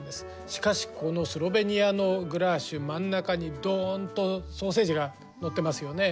しかしこのスロベニアのグラーシュ真ん中にどんとソーセージが載ってますよね。